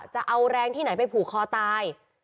จะเอาแรงที่ไหนไปผูกคอตาย